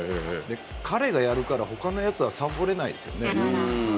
彼がやるから他のやつはさぼれないですよね。